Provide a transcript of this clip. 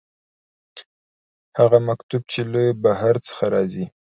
هغه مکتوب چې له بهر څخه راځي.